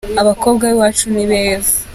Abakobwa b'iwacu ni beza.